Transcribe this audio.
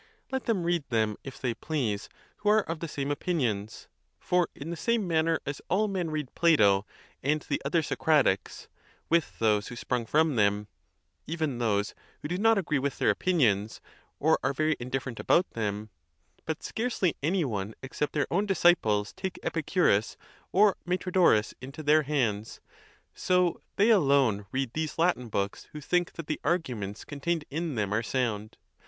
Let them read them, if they please, who are of the same opinions; for in the same manner as all men read Plato and the other Socratics, with those who sprung from them, even those who do not agree with their opinions, or are very indifferent about them; but scarcely any one except their own disciples take Epicurus or Metrodorus into their hands; so they alone read these Latin books who think that the arguments contained in them are sound.